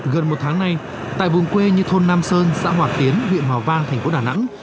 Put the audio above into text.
gần một tháng nay tại vùng quê như thôn nam sơn xã hòa tiến huyện hòa vang thành phố đà nẵng